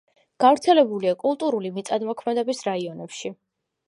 გავრცელებულია კულტურული მიწათმოქმედების რაიონებში.